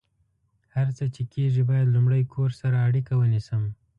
هر څه چې کیږي، باید لمړۍ کور سره اړیکه ونیسم